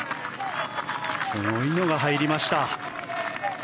すごいのが入りました。